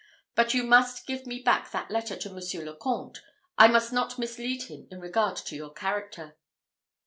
But you must give me back that letter to Monsieur le Comte I must not mislead him in regard to your character."